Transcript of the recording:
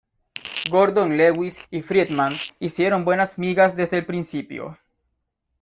Gordon Lewis y Friedman hicieron buenas migas desde el principio.